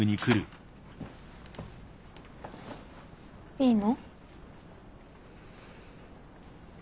いいの？